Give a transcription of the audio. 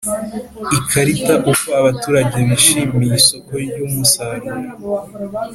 Ikarita uko abaturage bishimiye isoko ry umusaruro